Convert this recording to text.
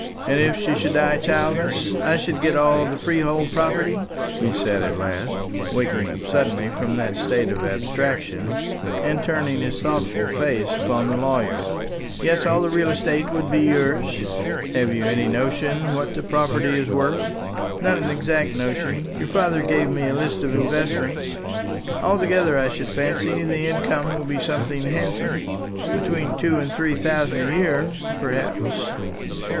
"And if she should die childless, I should get all the free hold property?" he said at last, waking up suddenly from that state of abstraction, and turning his thoughtful face upon the lawyer. "Yes; all the real estate would be yours." "Have you any notion what the property is worth?" "Not an exact notion. Your father gave me a list of investments. Altogether, I should fancy, the income will be something handsome between two and three thousand a year, perhaps.